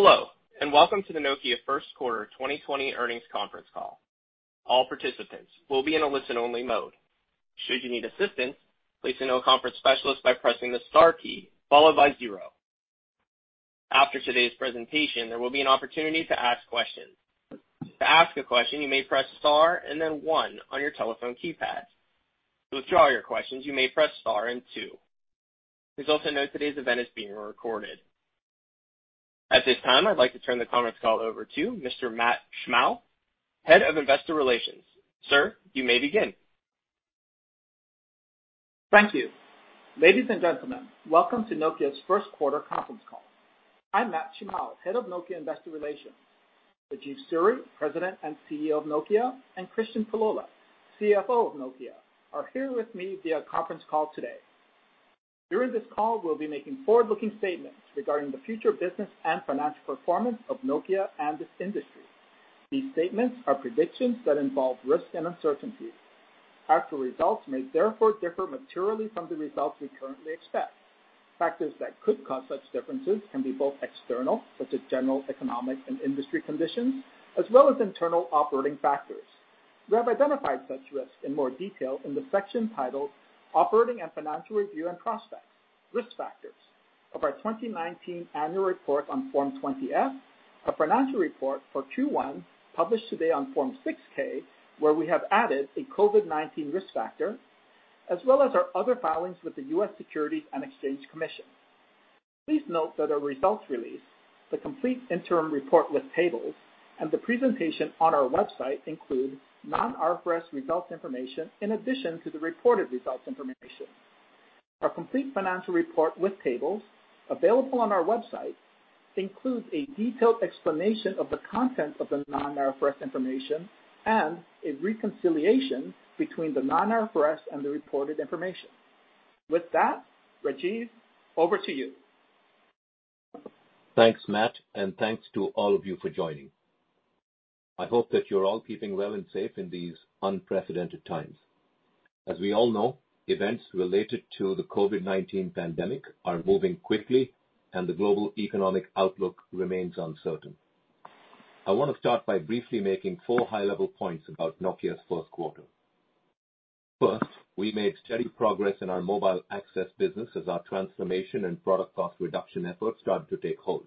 Hello, and welcome to the Nokia first quarter 2020 earnings conference call. All participants will be in a listen-only mode. Should you need assistance, please let know a conference specialist by pressing the star key followed by zero. After today's presentation, there will be an opportunity to ask questions. To ask a question, you may press star and then one on your telephone keypad. To withdraw your questions, you may press star and two. Please also note today's event is being recorded. At this time, I'd like to turn the conference call over to Mr. Matt Shimao, Head of Investor Relations. Sir, you may begin. Thank you. Ladies and gentlemen, welcome to Nokia's first quarter conference call. I'm Matt Shimao, Head of Nokia Investor Relations. Rajeev Suri, President and CEO of Nokia, and Kristian Pullola, CFO of Nokia, are here with me via conference call today. During this call, we'll be making forward-looking statements regarding the future business and financial performance of Nokia and this industry. These statements are predictions that involve risks and uncertainties. Actual results may therefore differ materially from the results we currently expect. Factors that could cause such differences can be both external, such as general economic and industry conditions, as well as internal operating factors. We have identified such risks in more detail in the section titled Operating and Financial Review and Prospects: Risk Factors of our 2019 annual report on Form 20-F, our financial report for Q1, published today on Form 6-K, where we have added a COVID-19 risk factor, as well as our other filings with the U.S. Securities and Exchange Commission. Please note that our results release, the complete interim report with tables, and the presentation on our website include non-IFRS results information in addition to the reported results information. Our complete financial report with tables available on our website includes a detailed explanation of the contents of the non-IFRS information and a reconciliation between the non-IFRS and the reported information. With that, Rajeev, over to you. Thanks, Matt, and thanks to all of you for joining. I hope that you're all keeping well and safe in these unprecedented times. As we all know, events related to the COVID-19 pandemic are moving quickly and the global economic outlook remains uncertain. I want to start by briefly making four high-level points about Nokia's first quarter. First, we made steady progress in our Mobile Access business as our transformation and product cost reduction efforts started to take hold.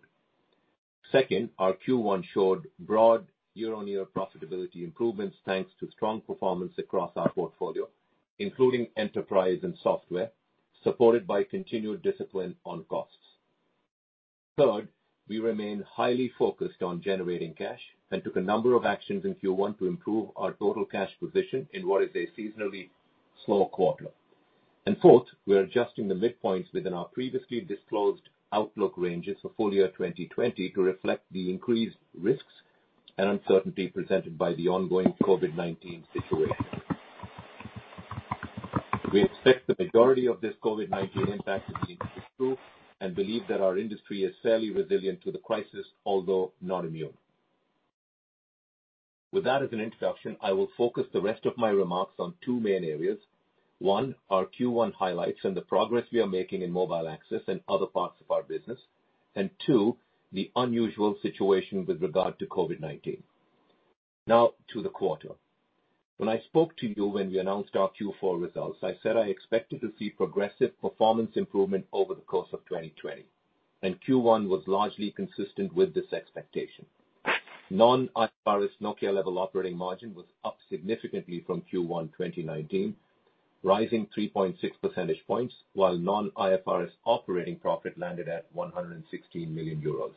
Second, our Q1 showed broad year-on-year profitability improvements, thanks to strong performance across our portfolio, including Enterprise and Software, supported by continued discipline on costs. Third, we remain highly focused on generating cash and took a number of actions in Q1 to improve our total cash position in what is a seasonally slow quarter. Fourth, we are adjusting the midpoints within our previously disclosed outlook ranges for full-year 2020 to reflect the increased risks and uncertainty presented by the ongoing COVID-19 situation. We expect the majority of this COVID-19 impact to be in Q2 and believe that our industry is fairly resilient to the crisis, although not immune. With that as an introduction, I will focus the rest of my remarks on two main areas. One, our Q1 highlights and the progress we are making in Mobile Access and other parts of our business. Two, the unusual situation with regard to COVID-19. Now to the quarter. When I spoke to you when we announced our Q4 results, I said I expected to see progressive performance improvement over the course of 2020, and Q1 was largely consistent with this expectation. Non-IFRS Nokia level operating margin was up significantly from Q1 2019, rising 3.6 percentage points, while non-IFRS operating profit landed at 116 million euros.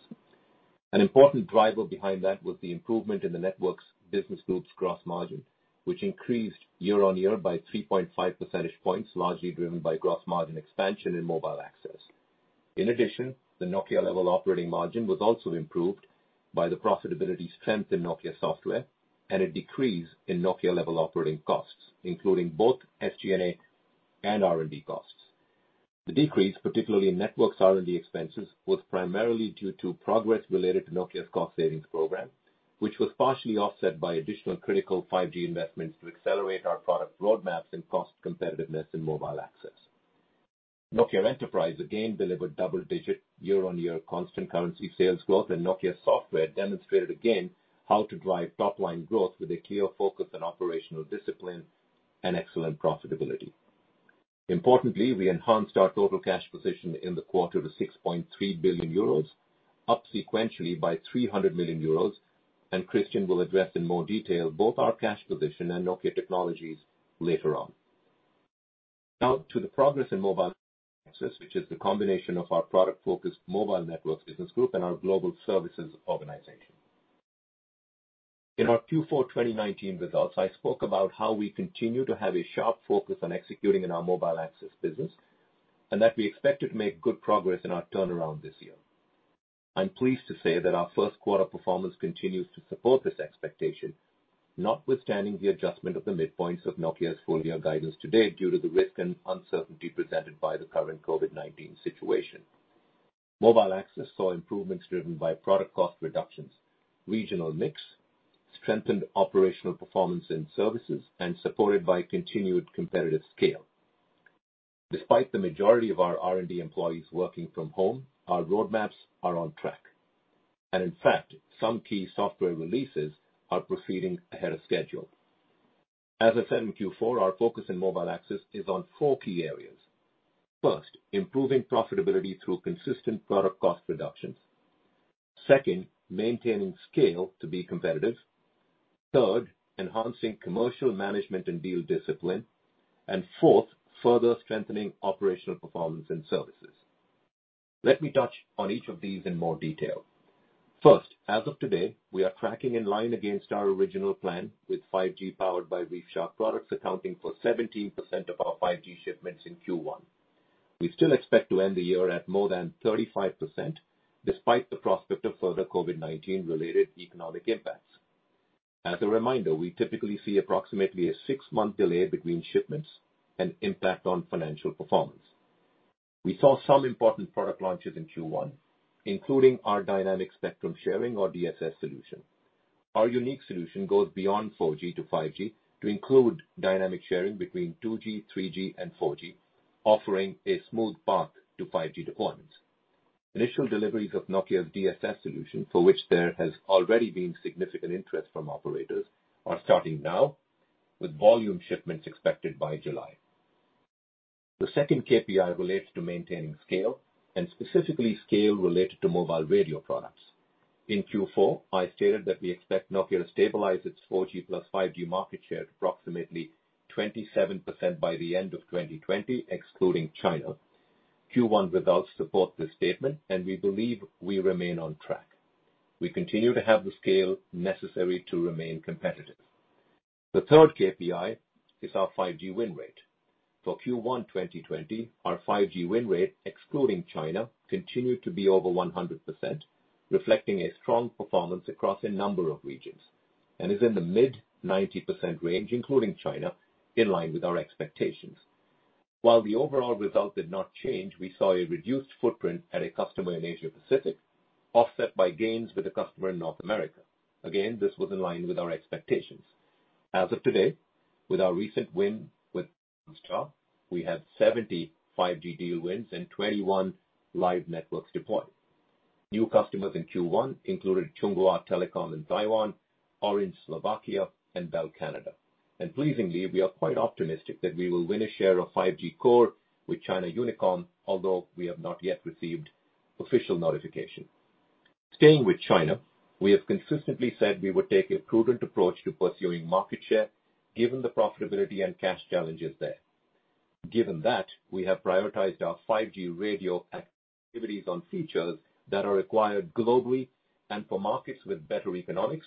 An important driver behind that was the improvement in the Networks business group's gross margin, which increased year-on-year by 3.5 percentage points, largely driven by gross margin expansion in Mobile Access. In addition, the Nokia level operating margin was also improved by the profitability strength in Nokia Software and a decrease in Nokia level operating costs, including both SG&A and R&D costs. The decrease, particularly in Networks R&D expenses, was primarily due to progress related to Nokia's cost savings program, which was partially offset by additional critical 5G investments to accelerate our product roadmaps and cost competitiveness in Mobile Access. Nokia Enterprise again delivered double-digit year-on-year constant currency sales growth, and Nokia Software demonstrated again how to drive top-line growth with a clear focus on operational discipline and excellent profitability. Importantly, we enhanced our total cash position in the quarter to 6.3 billion euros, up sequentially by 300 million euros, and Kristian will address in more detail both our cash position and Nokia Technologies later on. Now to the progress in Mobile Access, which is the combination of our product-focused Mobile Networks business group and our global services organization. In our Q4 2019 results, I spoke about how we continue to have a sharp focus on executing in our Mobile Access business and that we expected to make good progress in our turnaround this year. I'm pleased to say that our first quarter performance continues to support this expectation. Notwithstanding the adjustment of the midpoints of Nokia's full-year guidance today due to the risk and uncertainty presented by the current COVID-19 situation. Mobile Access saw improvements driven by product cost reductions, regional mix, strengthened operational performance and services, and supported by continued competitive scale. Despite the majority of our R&D employees working from home, our roadmaps are on track. In fact, some key software releases are proceeding ahead of schedule. As I said in Q4, our focus in Mobile Access is on four key areas. First, improving profitability through consistent product cost reductions. Second, maintaining scale to be competitive. Third, enhancing commercial management and deal discipline. Fourth, further strengthening operational performance and services. Let me touch on each of these in more detail. First, as of today, we are tracking in line against our original plan with 5G powered by ReefShark products accounting for 17% of our 5G shipments in Q1. We still expect to end the year at more than 35%, despite the prospect of further COVID-19 related economic impacts. As a reminder, we typically see approximately a six-month delay between shipments and impact on financial performance. We saw some important product launches in Q1, including our Dynamic Spectrum Sharing or DSS solution. Our unique solution goes beyond 4G to 5G to include dynamic sharing between 2G, 3G and 4G, offering a smooth path to 5G deployments. Initial deliveries of Nokia's DSS solution, for which there has already been significant interest from operators, are starting now, with volume shipments expected by July. The second KPI relates to maintaining scale and specifically scale related to mobile radio products. In Q4, I stated that we expect Nokia to stabilize its 4G plus 5G market share at approximately 27% by the end of 2020, excluding China. Q1 results support this statement, and we believe we remain on track. We continue to have the scale necessary to remain competitive. The third KPI is our 5G win rate. For Q1 2020, our 5G win rate, excluding China, continued to be over 100%, reflecting a strong performance across a number of regions, and is in the mid-90% range, including China, in line with our expectations. While the overall result did not change, we saw a reduced footprint at a customer in Asia Pacific, offset by gains with a customer in North America. Again, this was in line with our expectations. As of today, with our recent win with Star, we have 70 5G deal wins and 21 live networks deployed. New customers in Q1 included Chunghwa Telecom in Taiwan, Orange Slovensko, and Bell Canada. Pleasingly, we are quite optimistic that we will win a share of 5G core with China Unicom, although we have not yet received official notification. Staying with China, we have consistently said we would take a prudent approach to pursuing market share given the profitability and cash challenges there. Given that, we have prioritized our 5G radio activities on features that are required globally and for markets with better economics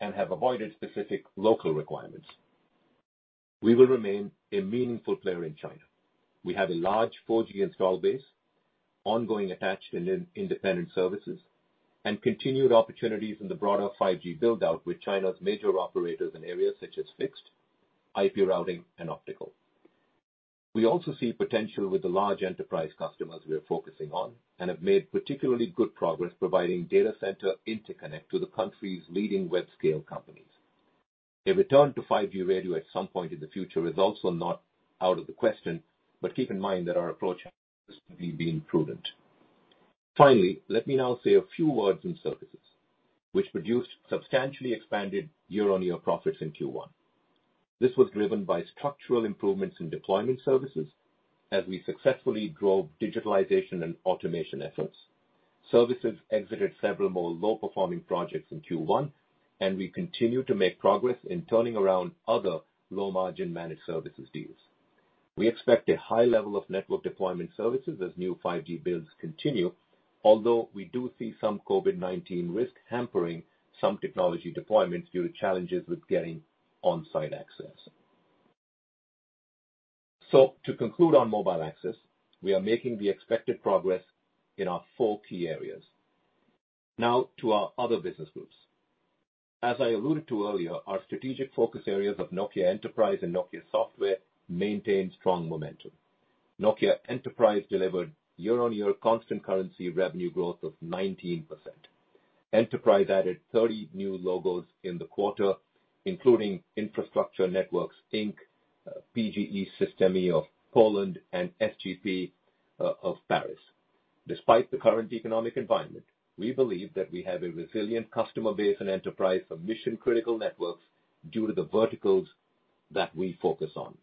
and have avoided specific local requirements. We will remain a meaningful player in China. We have a large 4G install base, ongoing attach in independent services, and continued opportunities in the broader 5G build-out with China's major operators in areas such as fixed, IP routing and optical. We also see potential with the large enterprise customers we are focusing on and have made particularly good progress providing data center interconnect to the country's leading web-scale companies. A return to 5G radio at some point in the future is also not out of the question, but keep in mind that our approach has been prudent. Finally, let me now say a few words in services, which produced substantially expanded year-on-year profits in Q1. This was driven by structural improvements in deployment services as we successfully drove digitalization and automation efforts. Services exited several more low-performing projects in Q1, and we continue to make progress in turning around other low-margin managed services deals. We expect a high level of network deployment services as new 5G builds continue, although we do see some COVID-19 risk hampering some technology deployments due to challenges with getting on-site access. To conclude on Mobile Access, we are making the expected progress in our four key areas. To our other business groups. As I alluded to earlier, our strategic focus areas of Nokia Enterprise and Nokia Software maintained strong momentum. Nokia Enterprise delivered year-on-year constant currency revenue growth of 19%. Enterprise added 30 new logos in the quarter, including Infrastructure Networks, Inc., PGE Systemy of Poland, and Société du Grand Paris. Despite the current economic environment, we believe that we have a resilient customer base and enterprise for mission-critical networks due to the verticals that we focus on.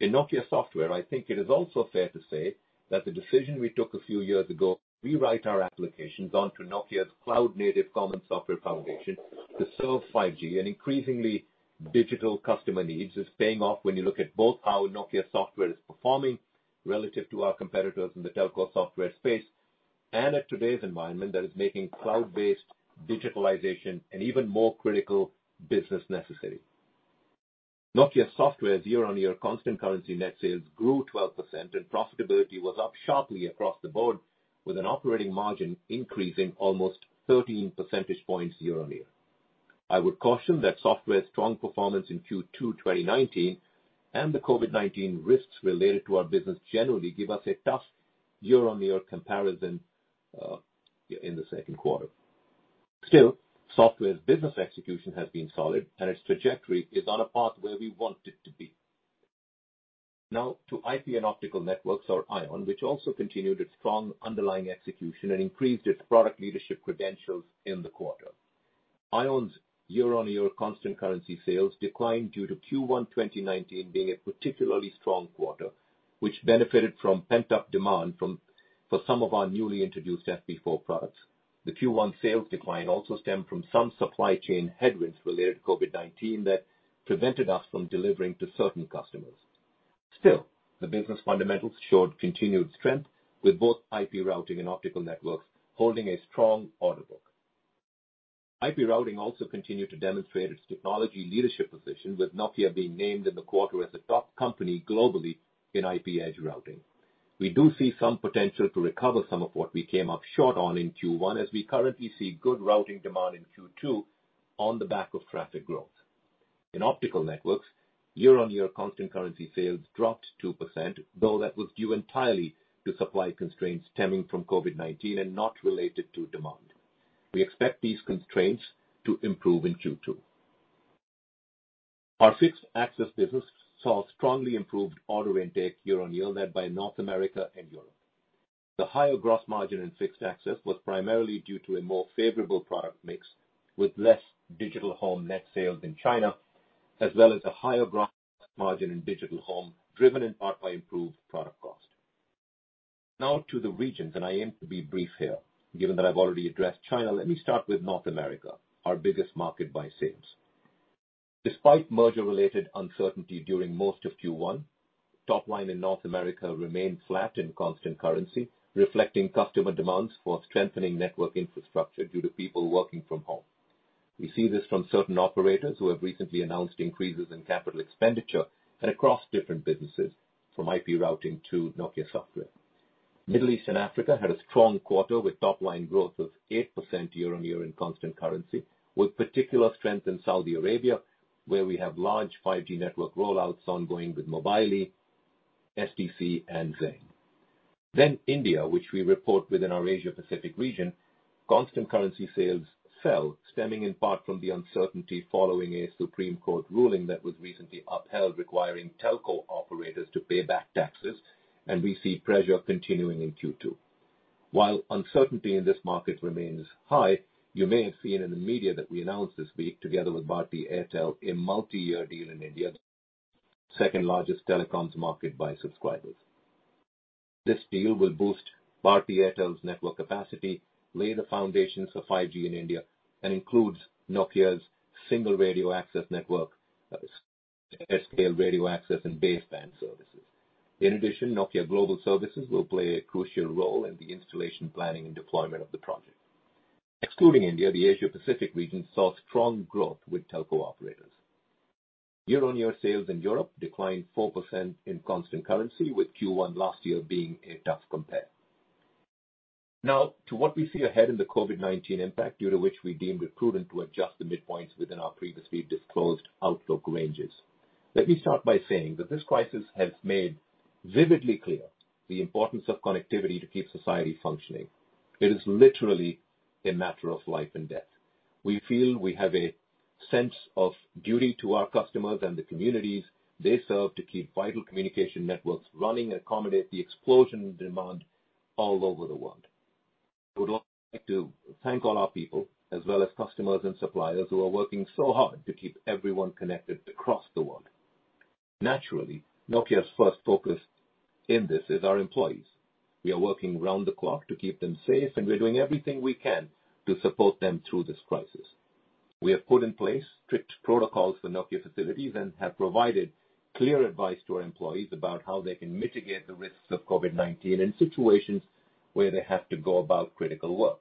In Nokia Software, I think it is also fair to say that the decision we took a few years ago to rewrite our applications onto Nokia's cloud-native common software foundation to serve 5G and increasingly digital customer needs is paying off when you look at both how Nokia Software is performing relative to our competitors in the telco software space and at today's environment that is making cloud-based digitalization an even more critical business necessity. Nokia Software's year-on-year constant currency net sales grew 12% and profitability was up sharply across the board with an operating margin increasing almost 13 percentage points year-on-year. I would caution that Software strong performance in Q2 2019 and the COVID-19 risks related to our business generally give us a tough year-on-year comparison in the second quarter. Still, Software's business execution has been solid and its trajectory is on a path where we want it to be. To IP and Optical Networks or ION, which also continued its strong underlying execution and increased its product leadership credentials in the quarter. ION's year-over-year constant currency sales declined due to Q1 2019 being a particularly strong quarter, which benefited from pent-up demand for some of our newly introduced FP4 products. The Q1 sales decline also stemmed from some supply chain headwinds related to COVID-19 that prevented us from delivering to certain customers. The business fundamentals showed continued strength with both IP routing and optical networks holding a strong order book. IP routing also continued to demonstrate its technology leadership position with Nokia being named in the quarter as the top company globally in IP edge routing. We do see some potential to recover some of what we came up short on in Q1 as we currently see good routing demand in Q2 on the back of traffic growth. In optical networks, year-on-year constant currency sales dropped 2%, though that was due entirely to supply constraints stemming from COVID-19 and not related to demand. We expect these constraints to improve in Q2. Our fixed access business saw strongly improved order intake year-on-year led by North America and Europe. The higher gross margin in fixed access was primarily due to a more favorable product mix with less digital home net sales in China, as well as a higher gross margin in digital home, driven in part by improved product cost. To the regions, I aim to be brief here. Given that I've already addressed China, let me start with North America, our biggest market by sales. Despite merger-related uncertainty during most of Q1, top line in North America remained flat in constant currency, reflecting customer demands for strengthening network infrastructure due to people working from home. We see this from certain operators who have recently announced increases in capital expenditure and across different businesses, from IP routing to Nokia Software. Middle East and Africa had a strong quarter with top line growth of 8% year-on-year in constant currency, with particular strength in Saudi Arabia, where we have large 5G network rollouts ongoing with Mobily, STC and Zain. India, which we report within our Asia Pacific region, constant currency sales fell, stemming in part from the uncertainty following a Supreme Court ruling that was recently upheld requiring telco operators to pay back taxes, and we see pressure continuing in Q2. While uncertainty in this market remains high, you may have seen in the media that we announced this week together with Bharti Airtel a multi-year deal in India, the world's second largest telecoms market by subscribers. This deal will boost Bharti Airtel's network capacity, lay the foundations for 5G in India and includes Nokia's single radio access network, AirScale Radio Access, and baseband services. In addition, Nokia Global Services will play a crucial role in the installation, planning, and deployment of the project. Excluding India, the Asia Pacific region saw strong growth with telco operators. Year-on-year sales in Europe declined 4% in constant currency, with Q1 last year being a tough compare. Now to what we see ahead in the COVID-19 impact, due to which we deemed it prudent to adjust the midpoints within our previously disclosed outlook ranges. Let me start by saying that this crisis has made vividly clear the importance of connectivity to keep society functioning. It is literally a matter of life and death. We feel we have a sense of duty to our customers and the communities they serve to keep vital communication networks running and accommodate the explosion in demand all over the world. I would also like to thank all our people, as well as customers and suppliers who are working so hard to keep everyone connected across the world. Naturally, Nokia's first focus in this is our employees. We are working around the clock to keep them safe, and we're doing everything we can to support them through this crisis. We have put in place strict protocols for Nokia facilities and have provided clear advice to our employees about how they can mitigate the risks of COVID-19 in situations where they have to go about critical work.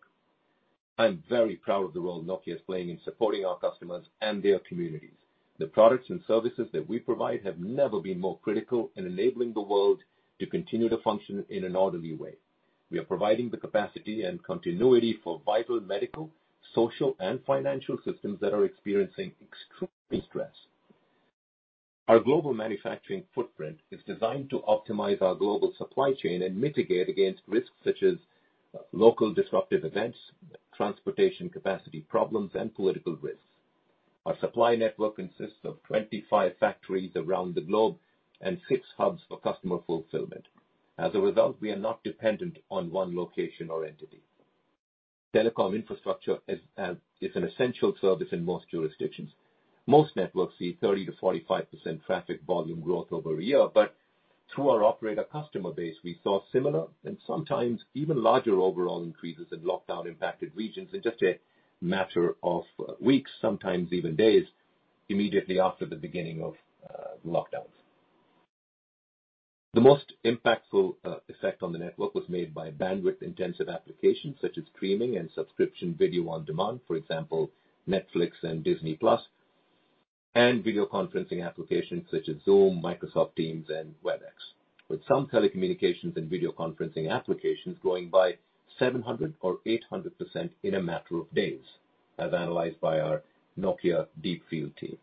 I'm very proud of the role Nokia is playing in supporting our customers and their communities. The products and services that we provide have never been more critical in enabling the world to continue to function in an orderly way. We are providing the capacity and continuity for vital medical, social, and financial systems that are experiencing extreme stress. Our global manufacturing footprint is designed to optimize our global supply chain and mitigate against risks such as local disruptive events, transportation capacity problems, and political risks. Our supply network consists of 25 factories around the globe and six hubs for customer fulfillment. As a result, we are not dependent on one location or entity. Telecom infrastructure is an essential service in most jurisdictions. Most networks see 30%-45% traffic volume growth over a year, but through our operator customer base, we saw similar and sometimes even larger overall increases in lockdown-impacted regions in just a matter of weeks, sometimes even days, immediately after the beginning of lockdowns. The most impactful effect on the network was made by bandwidth-intensive applications such as streaming and subscription video on demand, for example, Netflix and Disney+, and video conferencing applications such as Zoom, Microsoft Teams, and Webex. With some telecommunications and video conferencing applications growing by 700% or 800% in a matter of days, as analyzed by our Nokia Deepfield team.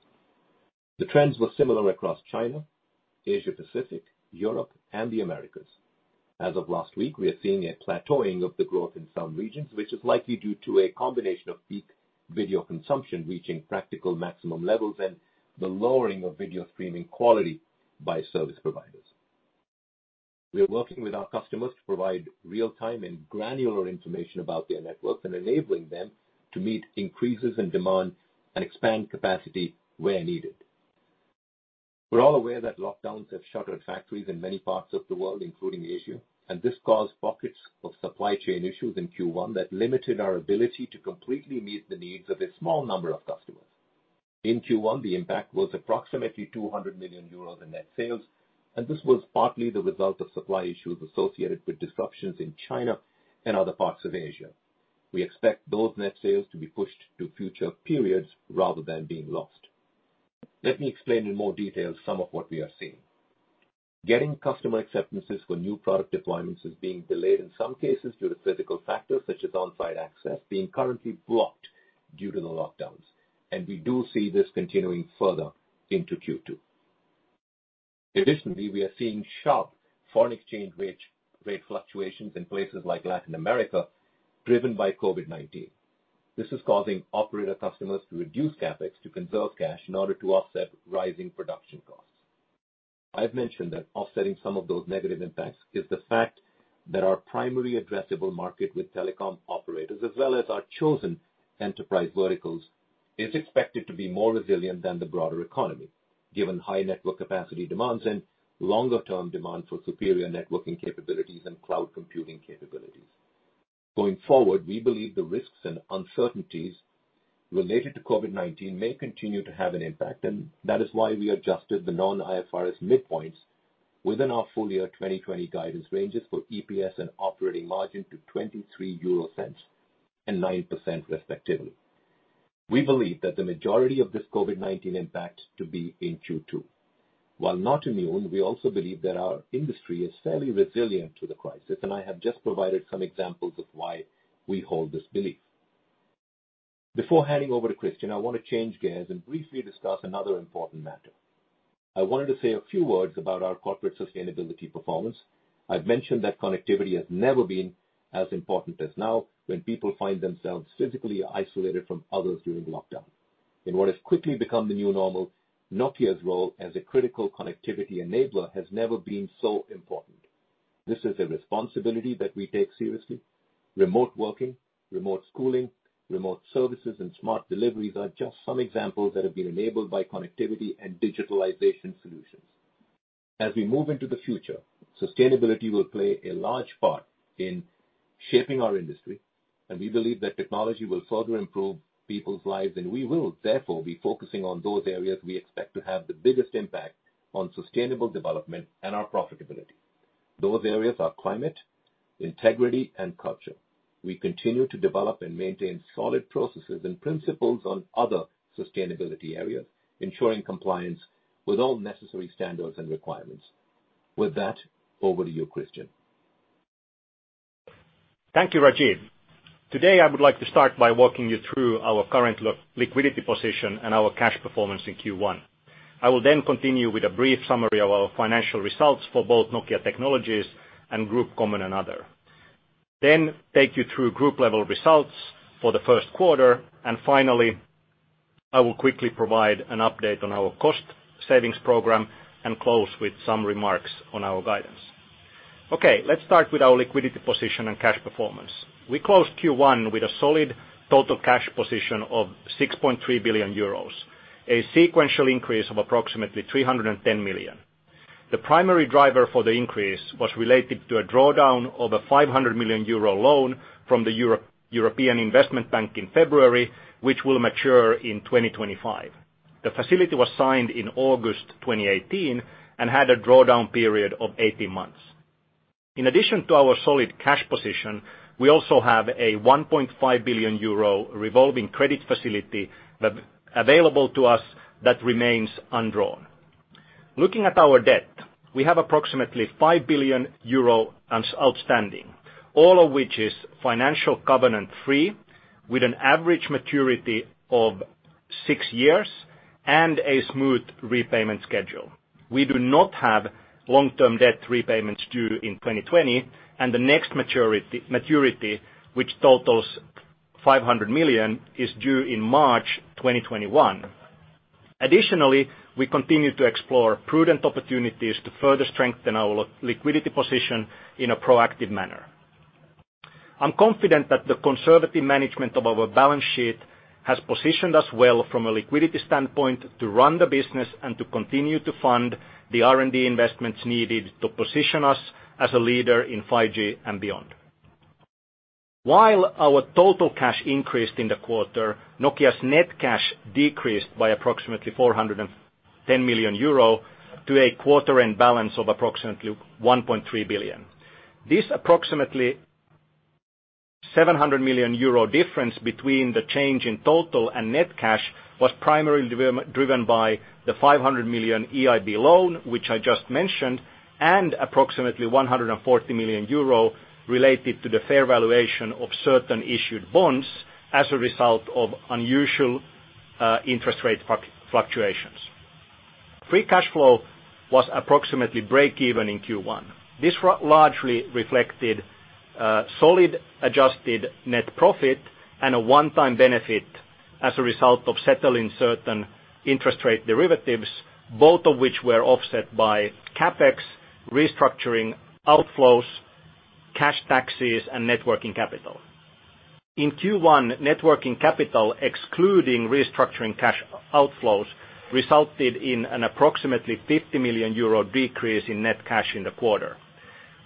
The trends were similar across China, Asia Pacific, Europe, and the Americas. As of last week, we are seeing a plateauing of the growth in some regions, which is likely due to a combination of peak video consumption reaching practical maximum levels and the lowering of video streaming quality by service providers. We are working with our customers to provide real-time and granular information about their networks and enabling them to meet increases in demand and expand capacity where needed. We're all aware that lockdowns have shuttered factories in many parts of the world, including Asia, and this caused pockets of supply chain issues in Q1 that limited our ability to completely meet the needs of a small number of customers. In Q1, the impact was approximately 200 million euros in net sales, and this was partly the result of supply issues associated with disruptions in China and other parts of Asia. We expect those net sales to be pushed to future periods rather than being lost. Let me explain in more detail some of what we are seeing. Getting customer acceptances for new product deployments is being delayed in some cases due to physical factors such as on-site access being currently blocked due to the lockdowns. We do see this continuing further into Q2. Additionally, we are seeing sharp foreign exchange rate fluctuations in places like Latin America, driven by COVID-19. This is causing operator customers to reduce CapEx to conserve cash in order to offset rising production costs. I've mentioned that offsetting some of those negative impacts is the fact that our primary addressable market with telecom operators, as well as our chosen enterprise verticals, is expected to be more resilient than the broader economy, given high network capacity demands and longer-term demand for superior networking capabilities and cloud computing capabilities. We believe the risks and uncertainties related to COVID-19 may continue to have an impact, and that is why we adjusted the non-IFRS midpoints within our full year 2020 guidance ranges for EPS and operating margin to 0.23 and 9% respectively. We believe that the majority of this COVID-19 impact to be in Q2. While not immune, we also believe that our industry is fairly resilient to the crisis, and I have just provided some examples of why we hold this belief. Before handing over to Kristian, I want to change gears and briefly discuss another important matter. I wanted to say a few words about our corporate sustainability performance. I've mentioned that connectivity has never been as important as now, when people find themselves physically isolated from others during lockdown. In what has quickly become the new normal, Nokia's role as a critical connectivity enabler has never been so important. This is a responsibility that we take seriously. Remote working, remote schooling, remote services, and smart deliveries are just some examples that have been enabled by connectivity and digitalization solutions. As we move into the future, sustainability will play a large part in shaping our industry, and we believe that technology will further improve people's lives, and we will therefore be focusing on those areas we expect to have the biggest impact on sustainable development and our profitability. Those areas are climate, integrity, and culture. We continue to develop and maintain solid processes and principles on other sustainability areas, ensuring compliance with all necessary standards and requirements. With that, over to you, Kristian. Thank you, Rajeev. Today, I would like to start by walking you through our current liquidity position and our cash performance in Q1. I will then continue with a brief summary of our financial results for both Nokia Technologies and Group Common and Other, then take you through group-level results for the first quarter. Finally, I will quickly provide an update on our cost savings program and close with some remarks on our guidance. Okay, let's start with our liquidity position and cash performance. We closed Q1 with a solid total cash position of 6.3 billion euros, a sequential increase of approximately 310 million. The primary driver for the increase was related to a drawdown of a 500 million euro loan from the European Investment Bank in February, which will mature in 2025. The facility was signed in August 2018 and had a drawdown period of 18 months. In addition to our solid cash position, we also have a 1.5 billion euro revolving credit facility available to us that remains undrawn. Looking at our debt, we have approximately 5 billion euro outstanding, all of which is financial covenant-free with an average maturity of six years and a smooth repayment schedule. We do not have long-term debt repayments due in 2020, and the next maturity, which totals 500 million, is due in March 2021. Additionally, we continue to explore prudent opportunities to further strengthen our liquidity position in a proactive manner. I'm confident that the conservative management of our balance sheet has positioned us well from a liquidity standpoint to run the business and to continue to fund the R&D investments needed to position us as a leader in 5G and beyond. While our total cash increased in the quarter, Nokia's net cash decreased by approximately 410 million euro to a quarter end balance of approximately 1.3 billion. This approximately 700 million euro difference between the change in total and net cash was primarily driven by the 500 million EIB loan, which I just mentioned, and approximately 140 million euro related to the fair valuation of certain issued bonds as a result of unusual interest rate fluctuations. Free cashflow was approximately break-even in Q1. This largely reflected a solid adjusted net profit and a one-time benefit as a result of settling certain interest rate derivatives, both of which were offset by CapEx, restructuring outflows, cash taxes, and networking capital. In Q1, networking capital excluding restructuring cash outflows, resulted in an approximately 50 million euro decrease in net cash in the quarter.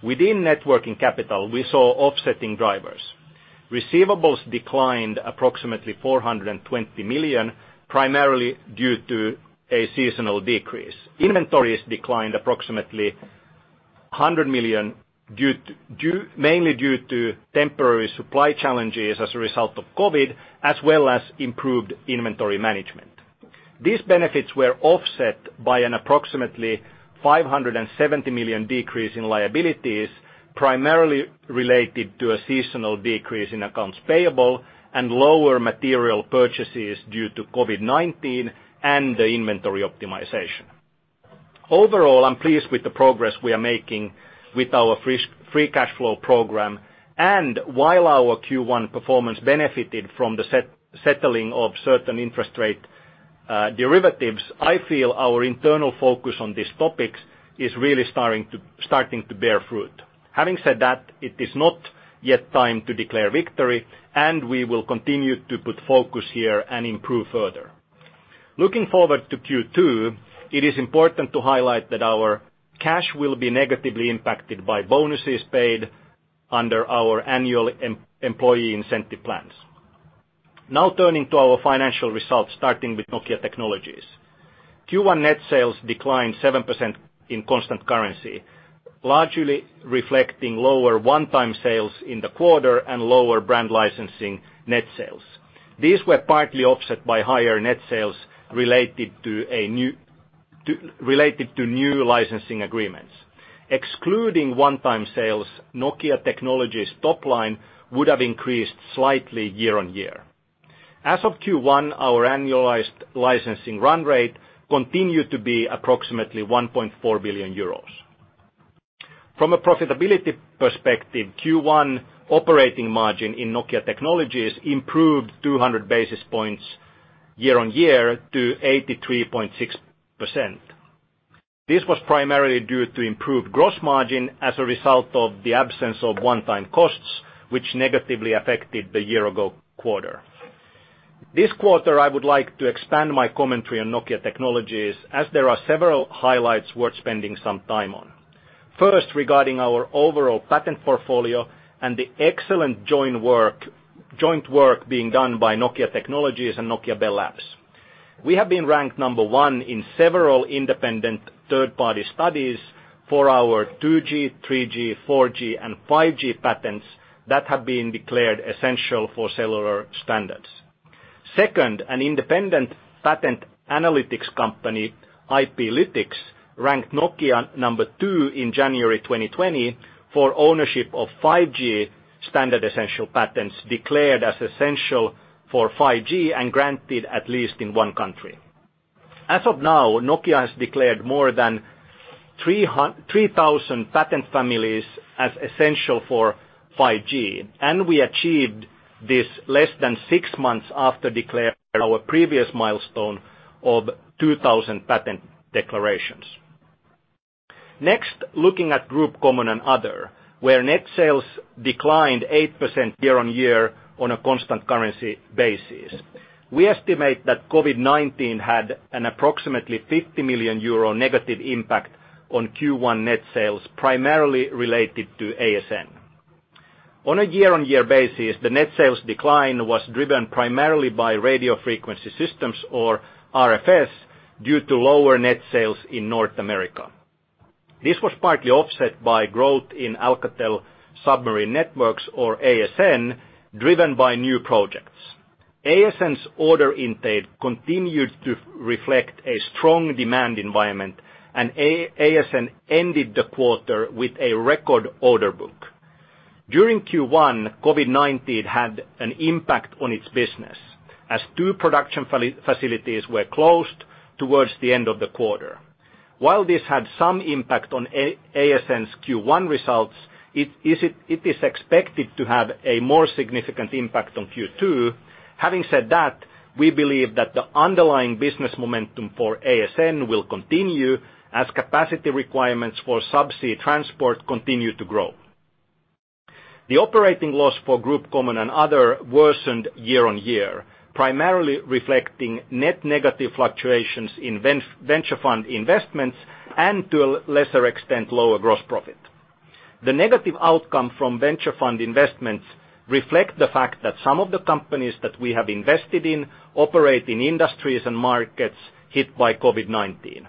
Within networking capital, we saw offsetting drivers. Receivables declined approximately 420 million, primarily due to a seasonal decrease. Inventories declined approximately 100 million, mainly due to temporary supply challenges as a result of COVID-19, as well as improved inventory management. These benefits were offset by an approximately 570 million decrease in liabilities, primarily related to a seasonal decrease in accounts payable and lower material purchases due to COVID-19 and the inventory optimization. Overall, I'm pleased with the progress we are making with our free cash flow program. While our Q1 performance benefited from the settling of certain interest rate derivatives, I feel our internal focus on these topics is really starting to bear fruit. Having said that, it is not yet time to declare victory, and we will continue to put focus here and improve further. Looking forward to Q2, it is important to highlight that our cash will be negatively impacted by bonuses paid under our annual employee incentive plans. Turning to our financial results, starting with Nokia Technologies. Q1 net sales declined 7% in constant currency, largely reflecting lower one-time sales in the quarter and lower brand licensing net sales. These were partly offset by higher net sales related to new licensing agreements. Excluding one-time sales, Nokia Technologies top line would have increased slightly year-on-year. As of Q1, our annualized licensing run rate continued to be approximately 1.4 billion euros. From a profitability perspective, Q1 operating margin in Nokia Technologies improved 200 basis points year-on-year to 83.6%. This was primarily due to improved gross margin as a result of the absence of one-time costs, which negatively affected the year-ago quarter. This quarter, I would like to expand my commentary on Nokia Technologies as there are several highlights worth spending some time on. First, regarding our overall patent portfolio and the excellent joint work being done by Nokia Technologies and Nokia Bell Labs. We have been ranked number 1 in several independent third-party studies for our 2G, 3G, 4G, and 5G patents that have been declared essential for cellular standards. Second, an independent patent analytics company, IPlytics, ranked Nokia number 2 in January 2020 for ownership of 5G standard essential patents declared as essential for 5G and granted at least in one country. As of now, Nokia has declared more than 3,000 patent families as essential for 5G, and we achieved this less than six months after declaring our previous milestone of 2,000 patent declarations. Next, looking at Group Common and Other, where net sales declined 8% year-on-year on a constant currency basis. We estimate that COVID-19 had an approximately 50 million euro negative impact on Q1 net sales, primarily related to ASN. On a year-on-year basis, the net sales decline was driven primarily by Radio Frequency Systems, or RFS, due to lower net sales in North America. This was partly offset by growth in Alcatel Submarine Networks, or ASN, driven by new projects. ASN's order intake continued to reflect a strong demand environment, and ASN ended the quarter with a record order book. During Q1, COVID-19 had an impact on its business as two production facilities were closed towards the end of the quarter. While this had some impact on ASN's Q1 results, it is expected to have a more significant impact on Q2. Having said that, we believe that the underlying business momentum for ASN will continue as capacity requirements for subsea transport continue to grow. The operating loss for Group Common and Other worsened year-on-year, primarily reflecting net negative fluctuations in venture fund investments and, to a lesser extent, lower gross profit. The negative outcome from venture fund investments reflect the fact that some of the companies that we have invested in operate in industries and markets hit by COVID-19.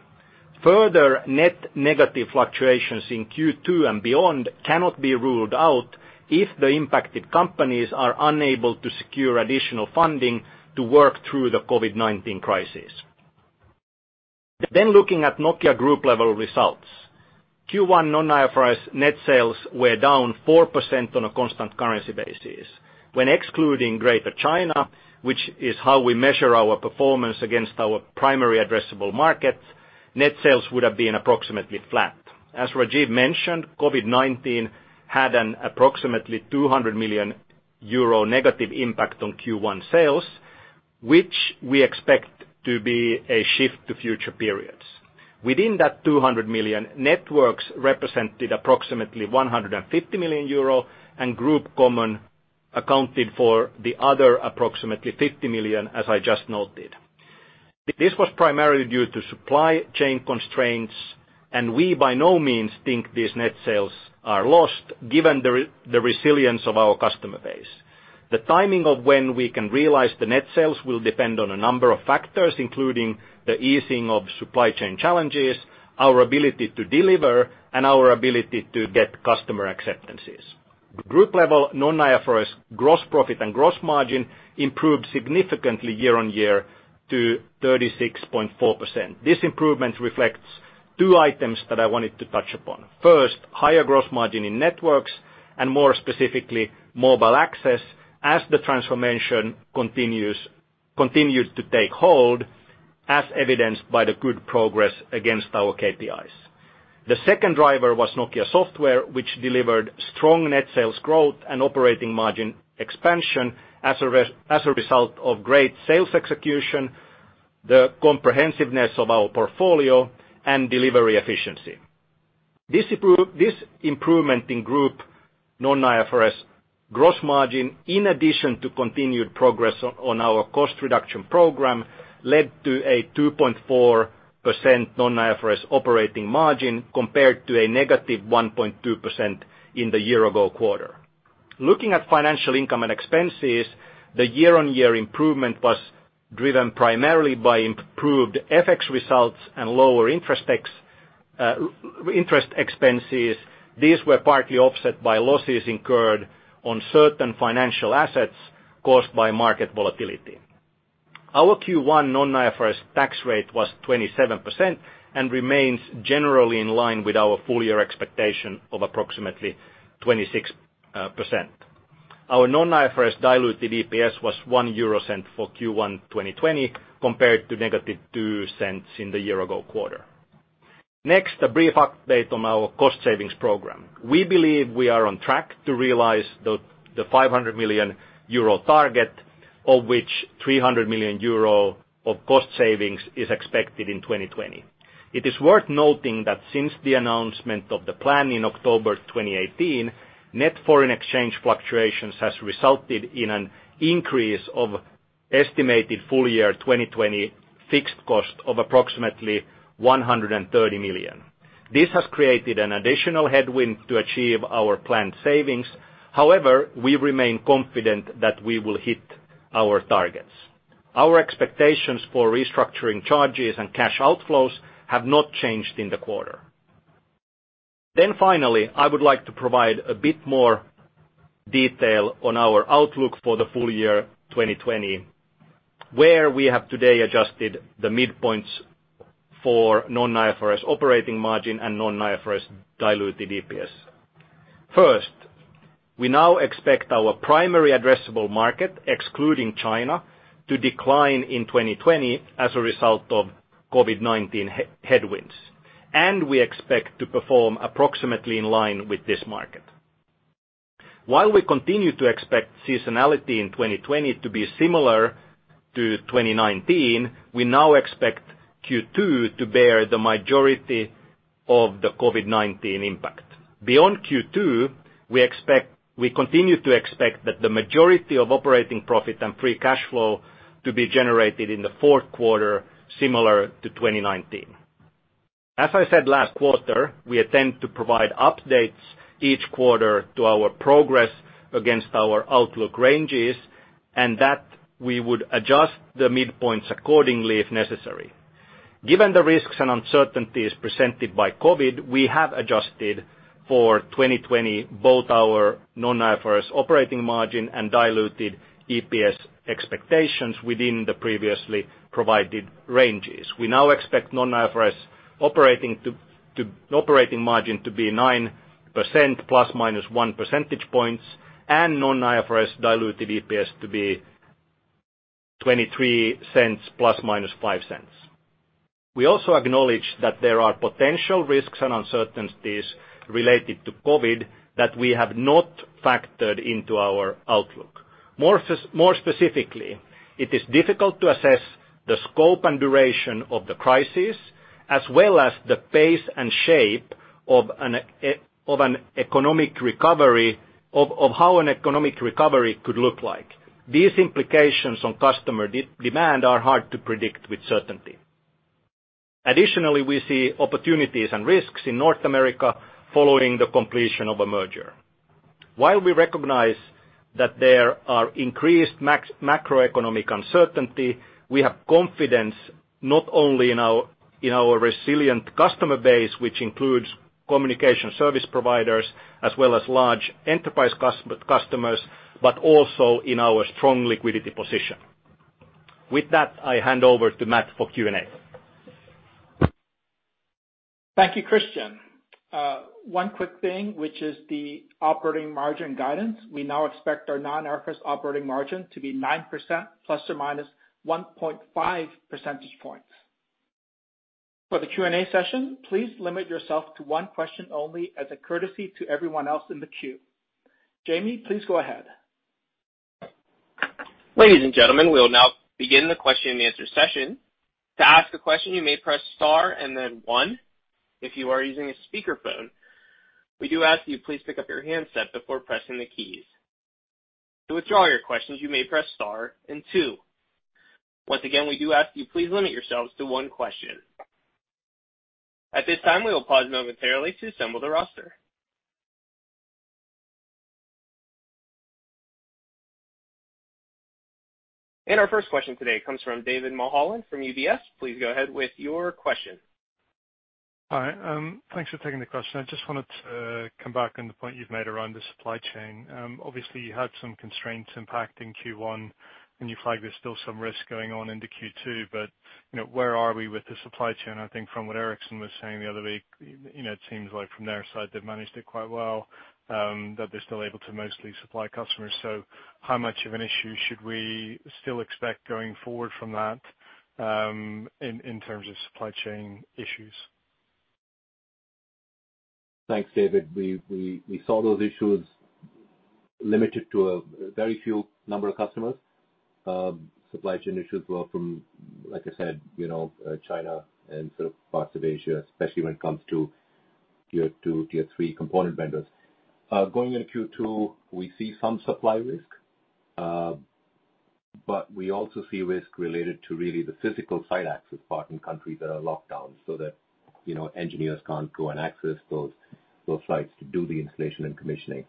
Further net negative fluctuations in Q2 and beyond cannot be ruled out if the impacted companies are unable to secure additional funding to work through the COVID-19 crisis. Looking at Nokia Group level results. Q1 non-IFRS net sales were down 4% on a constant currency basis when excluding Greater China, which is how we measure our performance against our primary addressable markets, net sales would have been approximately flat. As Rajeev mentioned, COVID-19 had an approximately 200 million euro negative impact on Q1 sales, which we expect to be a shift to future periods. Within that 200 million, Mobile Networks represented approximately 150 million euro and Group Common and Other accounted for the other approximately 50 million, as I just noted. This was primarily due to supply chain constraints, and we by no means think these net sales are lost, given the resilience of our customer base. The timing of when we can realize the net sales will depend on a number of factors, including the easing of supply chain challenges, our ability to deliver, and our ability to get customer acceptances. Group level non-IFRS gross profit and gross margin improved significantly year-on-year to 36.4%. This improvement reflects two items that I wanted to touch upon. First, higher gross margin in networks, and more specifically, Mobile Access as the transformation continued to take hold, as evidenced by the good progress against our KPIs. The second driver was Nokia Software, which delivered strong net sales growth and operating margin expansion as a result of great sales execution, the comprehensiveness of our portfolio, and delivery efficiency. This improvement in Group non-IFRS gross margin, in addition to continued progress on our cost reduction program, led to a 2.4% non-IFRS operating margin compared to a negative 1.2% in the year-ago quarter. Looking at financial income and expenses, the year-on-year improvement was driven primarily by improved FX results and lower interest expenses. These were partly offset by losses incurred on certain financial assets caused by market volatility. Our Q1 non-IFRS tax rate was 27% and remains generally in line with our full-year expectation of approximately 26%. Our non-IFRS diluted EPS was 0.01 for Q1 2020 compared to negative 0.02 in the year-ago quarter. Next, a brief update on our cost savings program. We believe we are on track to realize the 500 million euro target, of which 300 million euro of cost savings is expected in 2020. It is worth noting that since the announcement of the plan in October 2018, net foreign exchange fluctuations has resulted in an increase of estimated full-year 2020 fixed cost of approximately 130 million. This has created an additional headwind to achieve our planned savings. However, we remain confident that we will hit our targets. Our expectations for restructuring charges and cash outflows have not changed in the quarter. Finally, I would like to provide a bit more detail on our outlook for the full year 2020, where we have today adjusted the midpoints for non-IFRS operating margin and non-IFRS diluted EPS. First, we now expect our primary addressable market, excluding China, to decline in 2020 as a result of COVID-19 headwinds, and we expect to perform approximately in line with this market. While we continue to expect seasonality in 2020 to be similar to 2019, we now expect Q2 to bear the majority of the COVID-19 impact. Beyond Q2, we continue to expect that the majority of operating profit and free cash flow to be generated in the fourth quarter, similar to 2019. As I said last quarter, we intend to provide updates each quarter to our progress against our outlook ranges, that we would adjust the midpoints accordingly if necessary. Given the risks and uncertainties presented by COVID-19, we have adjusted for 2020 both our non-IFRS operating margin and diluted EPS expectations within the previously provided ranges. We now expect non-IFRS operating margin to be 9% ±1 percentage points and non-IFRS diluted EPS to be 0.23 ±0.05. We also acknowledge that there are potential risks and uncertainties related to COVID-19 that we have not factored into our outlook. More specifically, it is difficult to assess the scope and duration of the crisis, as well as the pace and shape of how an economic recovery could look like. These implications on customer demand are hard to predict with certainty. Additionally, we see opportunities and risks in North America following the completion of a merger. While we recognize that there are increased macroeconomic uncertainty, we have confidence not only in our resilient customer base, which includes communication service providers as well as large enterprise customers, but also in our strong liquidity position. With that, I hand over to Matt for Q&A. Thank you, Kristian. One quick thing, which is the operating margin guidance. We now expect our non-IFRS operating margin to be 9% ±1.5 percentage points. For the Q&A session, please limit yourself to one question only as a courtesy to everyone else in the queue. Jamie, please go ahead. Ladies and gentlemen, we will now begin the question and answer session. To ask a question, you may press star and then one. If you are using a speakerphone, we do ask you please pick up your handset before pressing the keys. To withdraw your questions, you may press star and two. Once again, we do ask you please limit yourselves to one question. At this time, we will pause momentarily to assemble the roster. Our first question today comes from David Mulholland from UBS. Please go ahead with your question. Hi. Thanks for taking the question. I just wanted to come back on the point you've made around the supply chain. Obviously, you had some constraints impacting Q1, and you flag there's still some risk going on into Q2. Where are we with the supply chain? I think from what Ericsson was saying the other week, it seems like from their side they've managed it quite well, that they're still able to mostly supply customers. How much of an issue should we still expect going forward from that, in terms of supply chain issues? Thanks, David. We saw those issues limited to a very few number of customers. Supply chain issues were from, like I said, China and parts of Asia, especially when it comes to tier 2, tier 3 component vendors. Going into Q2, we see some supply risk, but we also see risk related to really the physical site access part in countries that are locked down, so that engineers can't go and access those sites to do the installation and commissioning.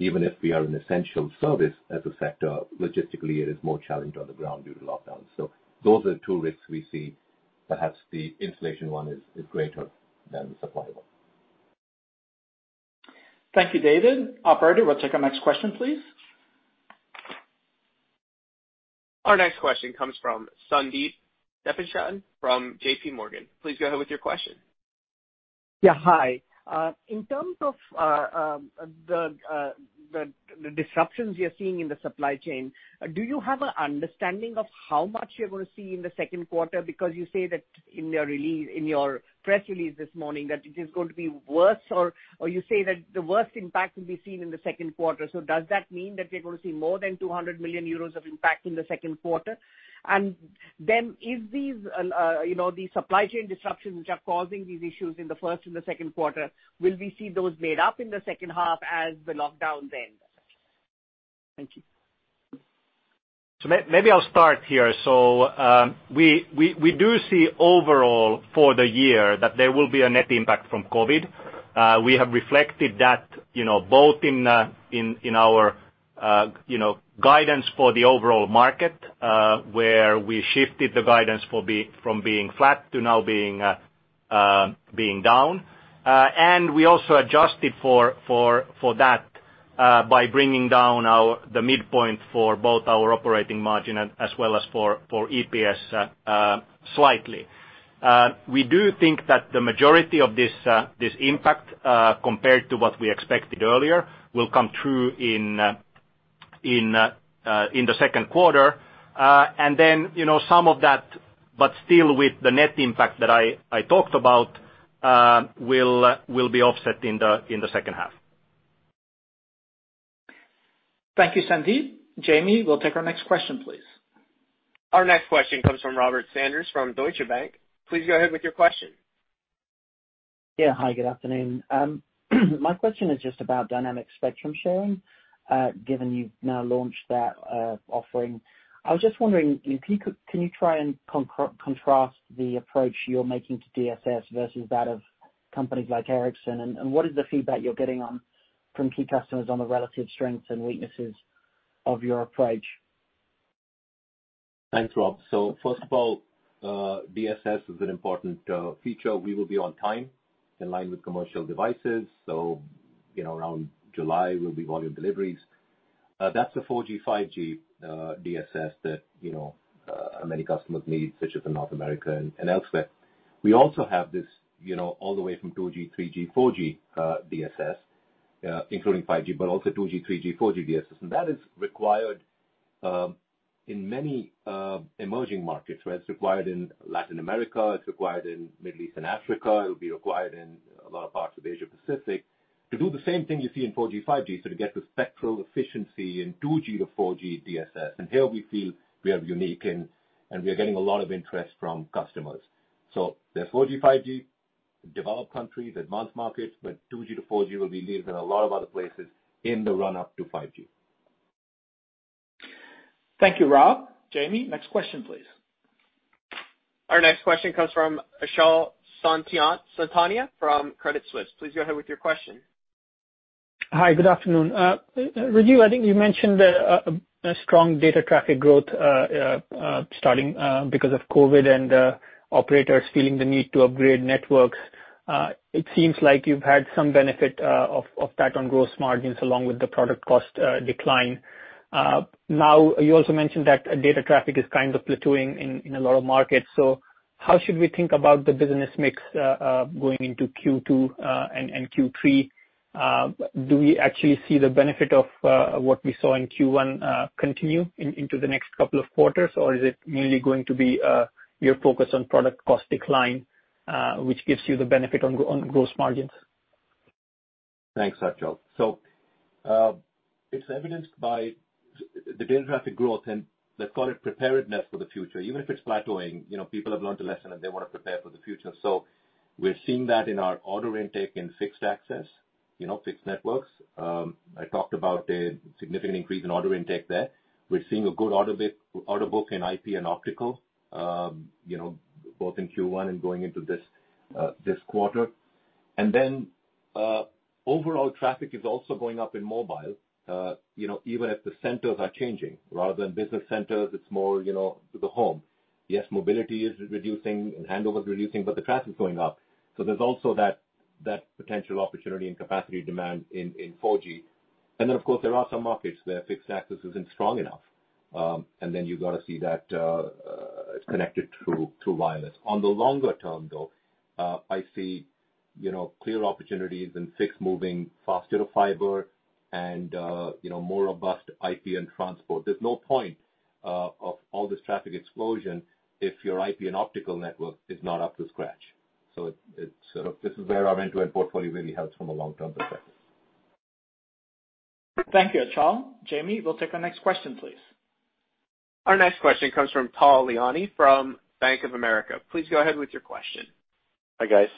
Even if we are an essential service as a sector, logistically it is more challenged on the ground due to lockdowns. Those are the two risks we see. Perhaps the installation one is greater than the supply one. Thank you, David. Operator, we'll take our next question, please. Our next question comes from Sandeep Deshpande from JPMorgan. Please go ahead with your question. Yeah, hi. In terms of the disruptions you're seeing in the supply chain, do you have an understanding of how much you're going to see in the second quarter? You say that in your press release this morning that it is going to be worse, or you say that the worst impact will be seen in the second quarter. Does that mean that we're going to see more than 200 million euros of impact in the second quarter? If these supply chain disruptions which are causing these issues in the first and the second quarter, will we see those made up in the second half as the lockdowns end? Thank you. Maybe I'll start here. We do see overall for the year that there will be a net impact from COVID. We have reflected that both in our guidance for the overall market, where we shifted the guidance from being flat to now being down. We also adjusted for that by bringing down the midpoint for both our operating margin as well as for EPS slightly. We do think that the majority of this impact, compared to what we expected earlier, will come through in the second quarter. Then some of that, but still with the net impact that I talked about, will be offset in the second half. Thank you, Sandeep. Jamie, we'll take our next question, please. Our next question comes from Robert Sanders from Deutsche Bank. Please go ahead with your question. Yeah. Hi, good afternoon. My question is just about Dynamic Spectrum Sharing, given you've now launched that offering. I was just wondering, can you try and contrast the approach you're making to DSS versus that of companies like Ericsson? What is the feedback you're getting from key customers on the relative strengths and weaknesses of your approach? Thanks, Robert. First of all, DSS is an important feature. We will be on time in line with commercial devices. Around July will be volume deliveries. That's the 4G, 5G DSS that many customers need, such as in North America and elsewhere. We also have this all the way from 2G, 3G, 4G DSS, including 5G, but also 2G, 3G, 4G DSS. That is required in many emerging markets, right? It's required in Latin America, it's required in Middle East and Africa. It will be required in a lot of parts of Asia Pacific to do the same thing you see in 4G, 5G, so to get the spectral efficiency in 2G to 4G DSS. Here we feel we are unique and we are getting a lot of interest from customers. There's 4G, 5G developed countries, advanced markets, but 2G to 4G will be needed in a lot of other places in the run-up to 5G. Thank you, Robert. Jamie, next question, please. Our next question comes from Achal Sultania from Credit Suisse. Please go ahead with your question. Hi. Good afternoon. Rajeev, I think you mentioned a strong data traffic growth starting because of COVID and operators feeling the need to upgrade networks. It seems like you've had some benefit of that on gross margins along with the product cost decline. Now, you also mentioned that data traffic is kind of plateauing in a lot of markets. How should we think about the business mix going into Q2 and Q3? Do we actually see the benefit of what we saw in Q1 continue into the next couple of quarters, or is it mainly going to be your focus on product cost decline, which gives you the benefit on gross margins? Thanks, Achal Sultania. It's evidenced by the data traffic growth and let's call it preparedness for the future. Even if it's plateauing, people have learned a lesson and they want to prepare for the future. We're seeing that in our order intake in fixed access, fixed networks. I talked about a significant increase in order intake there. We're seeing a good order book in IP and optical, both in Q1 and going into this quarter. Overall traffic is also going up in mobile even if the centers are changing. Rather than business centers, it's more to the home. Yes, mobility is reducing and handover is reducing, but the traffic's going up. There's also that potential opportunity and capacity demand in 4G. Of course, there are some markets where fixed access isn't strong enough. You've got to see that it's connected through wireless. On the longer term, though, I see clear opportunities in fixed moving faster to fiber and more robust IP and transport. There's no point of all this traffic explosion if your IP and optical network is not up to scratch. This is where our end-to-end portfolio really helps from a long-term perspective. Thank you, Achal. Jamie, we'll take our next question, please. Our next question comes from Tal Liani from Bank of America. Please go ahead with your question. Hi, guys.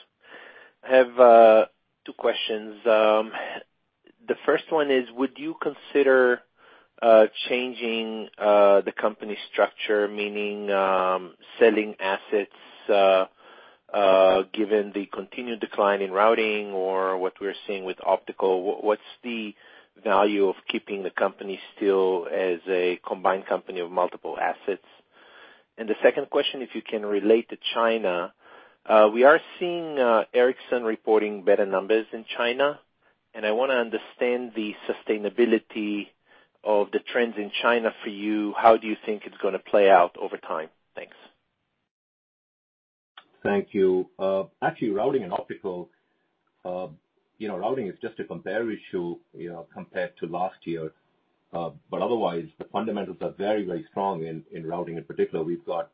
I have two questions. The first one is, would you consider changing the company structure, meaning selling assets given the continued decline in routing or what we're seeing with optical? What's the value of keeping the company still as a combined company of multiple assets? The second question, if you can relate to China, we are seeing Ericsson reporting better numbers in China, and I want to understand the sustainability of the trends in China for you. How do you think it's going to play out over time? Thanks. Thank you. Actually, routing and optical, routing is just a compare issue, compared to last year. Otherwise, the fundamentals are very strong in routing in particular. We've got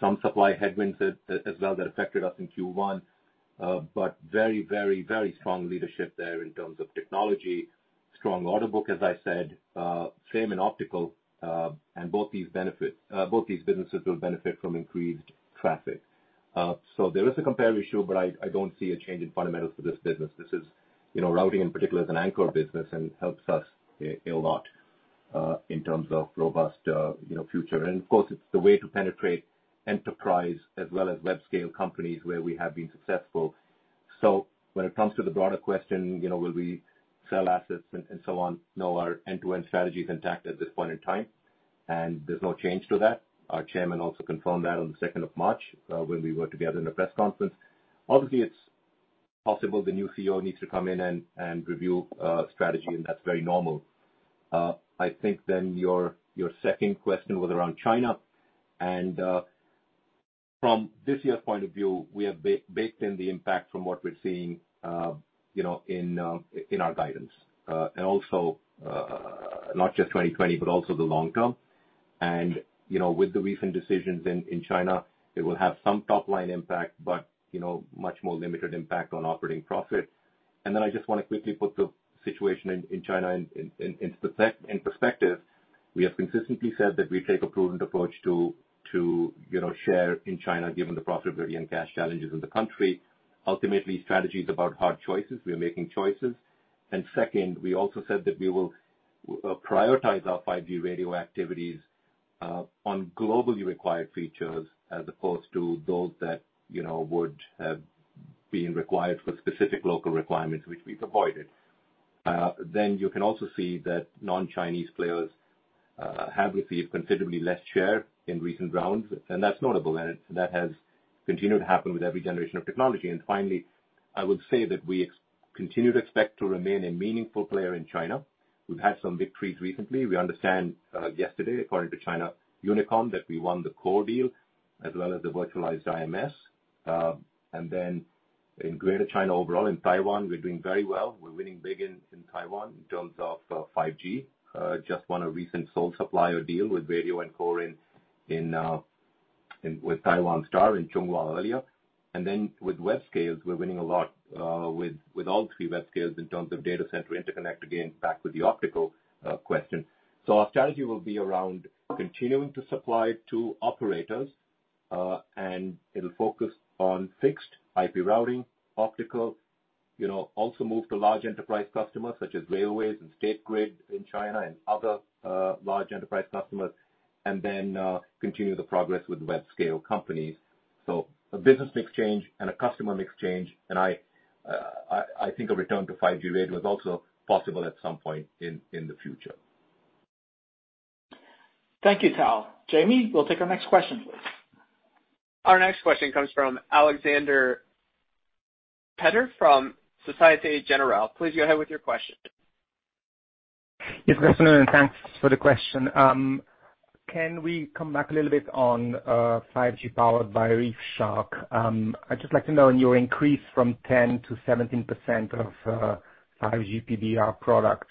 some supply headwinds as well that affected us in Q1, but very strong leadership there in terms of technology, strong order book, as I said, same in optical. Both these businesses will benefit from increased traffic. There is a compare issue, but I don't see a change in fundamentals for this business. Routing in particular is an anchor business and helps us a lot, in terms of robust future. Of course, it's the way to penetrate enterprise as well as web-scale companies where we have been successful. When it comes to the broader question, will we sell assets and so on? Our end-to-end strategy is intact at this point in time, there's no change to that. Our chairman also confirmed that on the 2nd of March, when we were together in a press conference. It's possible the new CEO needs to come in and review strategy, that's very normal. I think your second question was around China. From this year's point of view, we have baked in the impact from what we're seeing in our guidance. Also, not just 2020, but also the long term. With the recent decisions in China, it will have some top-line impact, but much more limited impact on operating profit. I just want to quickly put the situation in China in perspective. We have consistently said that we take a prudent approach to share in China given the profitability and cash challenges in the country. Ultimately, strategy is about hard choices. We are making choices. Second, we also said that we will prioritize our 5G radio activities on globally required features as opposed to those that would have been required for specific local requirements, which we've avoided. You can also see that non-Chinese players have received considerably less share in recent rounds, and that's notable. That has continued to happen with every generation of technology. Finally, I would say that we continue to expect to remain a meaningful player in China. We've had some victories recently. We understand yesterday, according to China Unicom, that we won the core deal as well as the virtualized IMS. In Greater China overall, in Taiwan, we're doing very well. We're winning big in Taiwan in terms of 5G. Just won a recent sole supplier deal with radio and core with Taiwan Star in Chunghwa earlier. Then with web scales, we're winning a lot with all three web scales in terms of data center interconnect, again, back with the optical question. Our strategy will be around continuing to supply to operators, and it'll focus on fixed IP routing, optical. Also move to large enterprise customers such as railways and State Grid in China and other large enterprise customers, then continue the progress with web-scale companies. I think a return to 5G radio is also possible at some point in the future. Thank you, Tal. Jamie, we'll take our next question, please. Our next question comes from Alexander Peterc from Societe Generale. Please go ahead with your question. Yes, good afternoon, and thanks for the question. Can we come back a little bit on 5G powered by ReefShark? I'd just like to know, on your increase from 10 to 17% of 5G PDR products,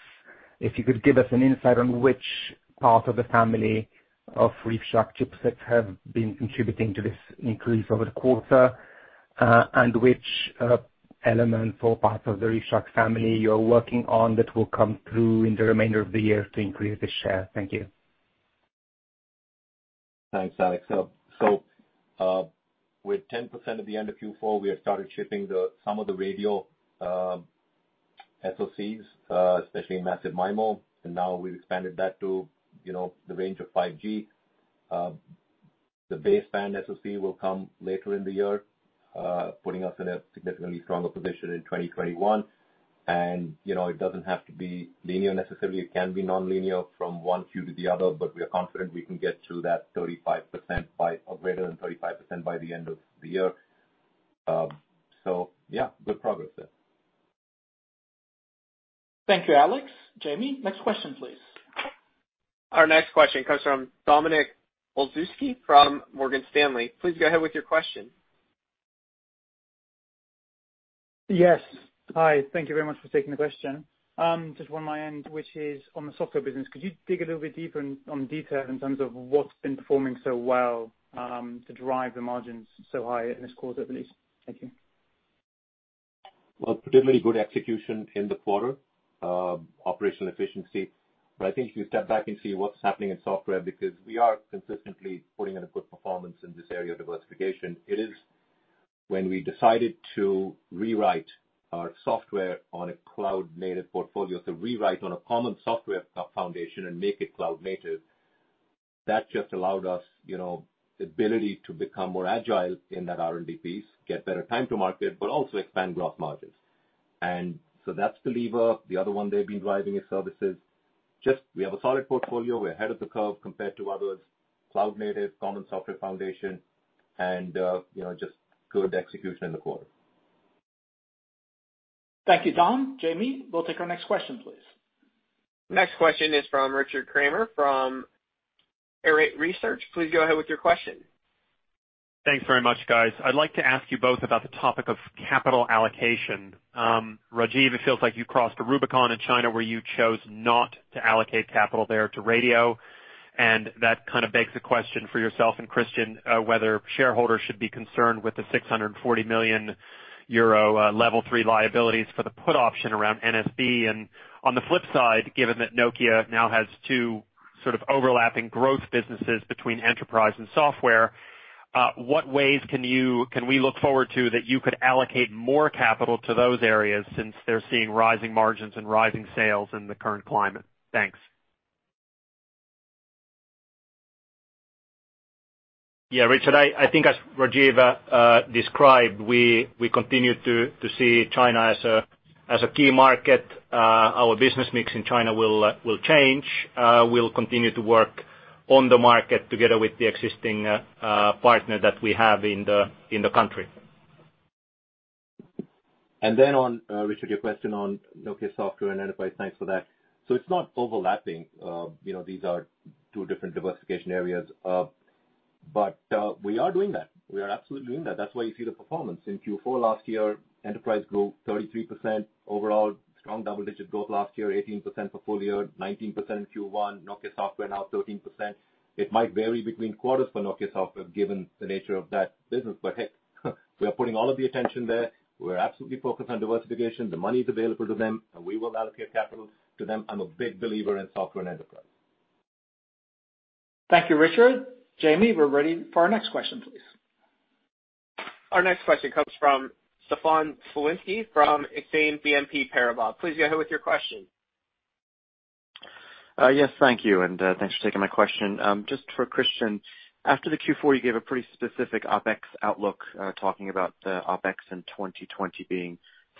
if you could give us an insight on which part of the family of ReefShark chipsets have been contributing to this increase over the quarter, and which element or part of the ReefShark family you're working on that will come through in the remainder of the year to increase the share. Thank you. Thanks, Alexander. With 10% at the end of Q4, we have started shipping some of the radio SoCs, especially Massive MIMO, and now we've expanded that to the range of 5G. The baseband SoC will come later in the year, putting us in a significantly stronger position in 2021. It doesn't have to be linear, necessarily. It can be nonlinear from one quarter to the other, but we are confident we can get to that 35%, or greater than 35% by the end of the year. Yeah, good progress there. Thank you, Alexander. Jamie, next question please. Our next question comes from Dominik Olszewski from Morgan Stanley. Please go ahead with your question. Yes. Hi, thank you very much for taking the question. Just one my end, which is on the software business. Could you dig a little bit deeper on detail in terms of what's been performing so well, to drive the margins so high in this quarter at least? Thank you. Well, particularly good execution in the quarter. Operational efficiency. I think if you step back and see what's happening in software, because we are consistently putting in a good performance in this area of diversification. It is when we decided to rewrite our software on a cloud-native portfolio, to rewrite on a common software foundation and make it cloud-native. That just allowed us the ability to become more agile in that R&D piece, get better time to market, but also expand gross margins. That's the lever. The other one they've been driving is services. Just we have a solid portfolio. We're ahead of the curve compared to others. Cloud-native, common software foundation, and just good execution in the quarter. Thank you, Dominik. Jamie, we'll take our next question, please. Next question is from Richard Kramer from Arete Research. Please go ahead with your question. Thanks very much, guys. I'd like to ask you both about the topic of capital allocation. Rajeev, it feels like you crossed the Rubicon in China, where you chose not to allocate capital there to radio, and that kind of begs the question for yourself and Kristian, whether shareholders should be concerned with the 640 million euro level 3 liabilities for the put option around NSB. On the flip side, given that Nokia now has two sort of overlapping growth businesses between Enterprise and Software, what ways can we look forward to that you could allocate more capital to those areas since they're seeing rising margins and rising sales in the current climate? Thanks. Yeah, Richard, I think as Rajeev described, we continue to see China as a key market. Our business mix in China will change. We'll continue to work on the market together with the existing partner that we have in the country. On, Richard, your question on Nokia Software and Enterprise. Thanks for that. It's not overlapping. These are two different diversification areas. We are doing that. We are absolutely doing that. That's why you see the performance. In Q4 last year, Enterprise grew 33% overall, strong double-digit growth last year, 18% full year, 19% in Q1. Nokia Software now 13%. It might vary between quarters for Nokia Software, given the nature of that business. Hey, we are putting all of the attention there. We're absolutely focused on diversification. The money's available to them, and we will allocate capital to them. I'm a big believer in software and enterprise. Thank you, Richard. Jamie, we're ready for our next question, please. Our next question comes from Stefan Slowinski from Exane BNP Paribas. Please go ahead with your question. Yes, thank you, and thanks for taking my question. Just for Kristian, after the Q4, you gave a pretty specific OpEx outlook, talking about the OpEx in 2020 being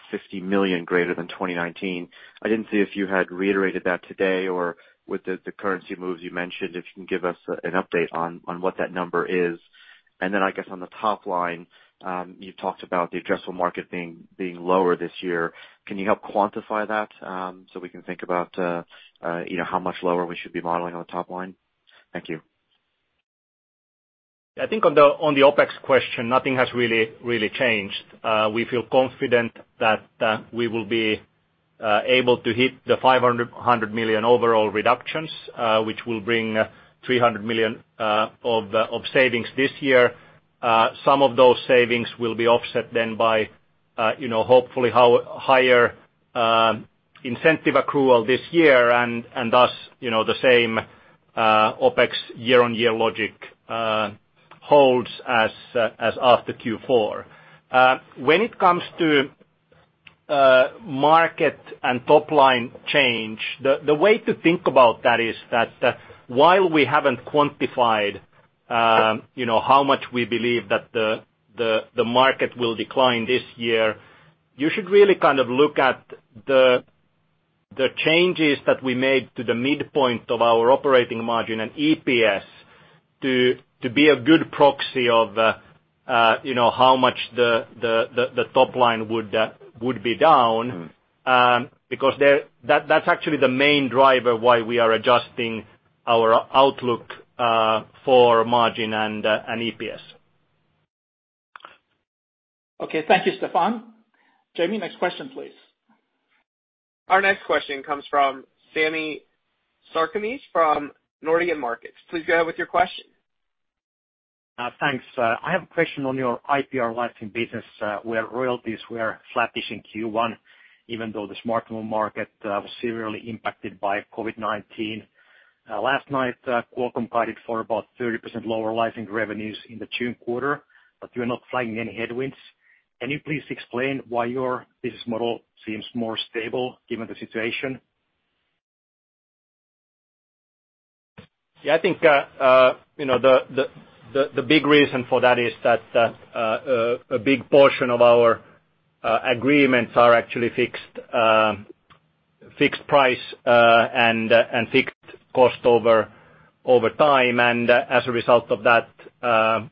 60 million greater than 2019. I didn't see if you had reiterated that today or with the currency moves you mentioned, if you can give us an update on what that number is. Then I guess on the top line, you talked about the addressable market being lower this year. Can you help quantify that so we can think about how much lower we should be modeling on the top line? Thank you. I think on the OpEx question, nothing has really changed. We feel confident that we will be able to hit the 500 million overall reductions, which will bring 300 million of savings this year. Some of those savings will be offset then by hopefully higher incentive accrual this year and thus, the same OpEx year-on-year logic holds as of the Q4. When it comes to market and top-line change, the way to think about that is that while we haven't quantified how much we believe that the market will decline this year, you should really look at the changes that we made to the midpoint of our operating margin and EPS to be a good proxy of how much the top line would be down. That's actually the main driver why we are adjusting our outlook for margin and EPS. Okay. Thank you, Stefan. Jamie, next question, please. Our next question comes from Sami Sarkamies from Nordea Markets. Please go ahead with your question. Thanks. I have a question on your IPR licensing business, where royalties were flattish in Q1, even though the smartphone market was severely impacted by COVID-19. Last night, Qualcomm guided for about 30% lower licensing revenues in the June quarter. You're not flagging any headwinds. Can you please explain why your business model seems more stable given the situation? Yeah, I think the big reason for that is that a big portion of our agreements are actually fixed price and fixed cost over time. As a result of that,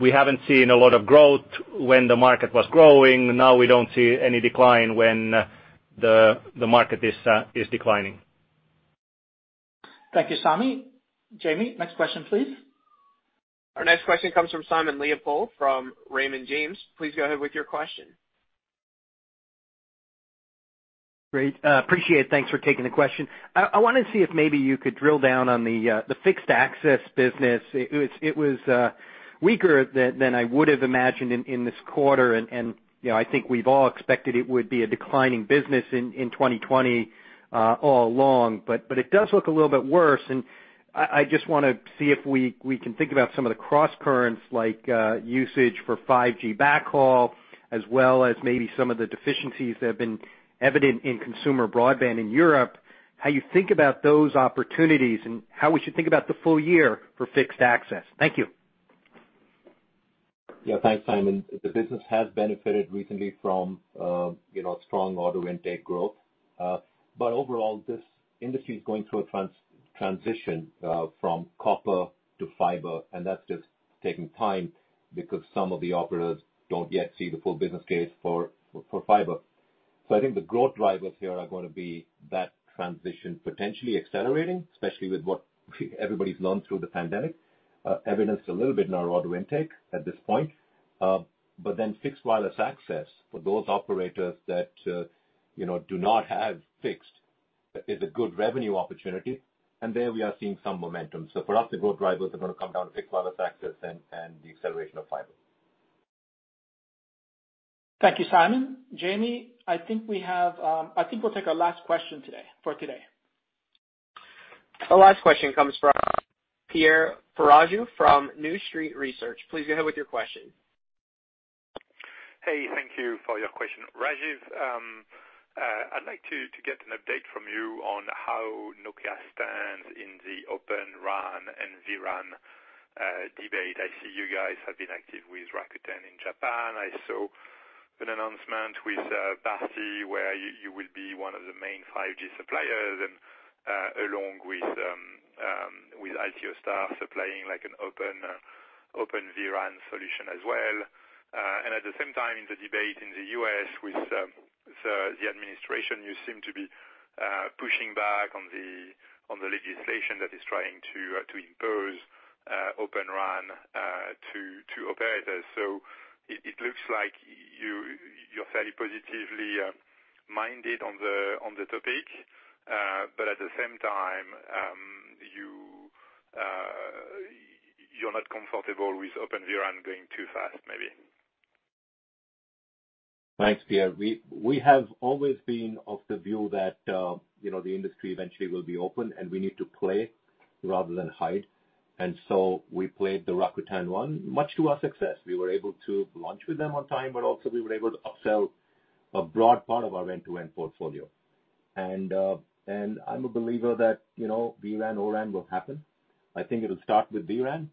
we haven't seen a lot of growth when the market was growing. We don't see any decline when the market is declining. Thank you, Sami. Jamie, next question, please. Our next question comes from Simon Leopold from Raymond James. Please go ahead with your question. Great. Appreciate it. Thanks for taking the question. I wanted to see if maybe you could drill down on the fixed access business. It was weaker than I would've imagined in this quarter. I think we've all expected it would be a declining business in 2020 all along. It does look a little bit worse. I just want to see if we can think about some of the crosscurrents, like usage for 5G backhaul, as well as maybe some of the deficiencies that have been evident in consumer broadband in Europe, how you think about those opportunities, and how we should think about the full year for fixed access. Thank you. Yeah. Thanks, Simon. The business has benefited recently from strong auto intake growth. Overall, this industry is going through a transition from copper to fiber, and that's just taking time because some of the operators don't yet see the full business case for fiber. I think the growth drivers here are going to be that transition potentially accelerating, especially with what everybody's learned through the pandemic, evidenced a little bit in our auto intake at this point. Then fixed wireless access for those operators that do not have fixed is a good revenue opportunity, and there we are seeing some momentum. For us, the growth drivers are going to come down to fixed wireless access and the acceleration of fiber. Thank you, Simon. Jamie, I think we'll take our last question for today. Our last question comes from Pierre Ferragu from New Street Research. Please go ahead with your question. Thank you for your question. Rajeev, I'd like to get an update from you on how Nokia stands in the Open RAN and vRAN debate. I see you guys have been active with Rakuten in Japan. I saw an announcement with Basi, where you will be one of the main 5G suppliers, and along with Altiostar supplying an open vRAN solution as well. At the same time, in the U.S. with the administration, you seem to be pushing back on the legislation that is trying to impose Open RAN to operators. It looks like you're fairly positively minded on the topic. At the same time, you're not comfortable with Open vRAN going too fast, maybe. Thanks, Pierre. We have always been of the view that the industry eventually will be open, and we need to play rather than hide. We played the Rakuten one, much to our success. We were able to launch with them on time, but also we were able to upsell a broad part of our end-to-end portfolio. I'm a believer that vRAN, O-RAN will happen. I think it'll start with vRAN.